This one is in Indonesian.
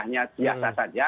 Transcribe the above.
hanya biasa saja